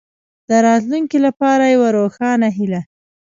د راتلونکې لپاره یوه روښانه هیله.